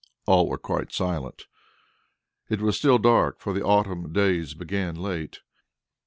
All were quite silent. It was still dark, for the autumn days begin late.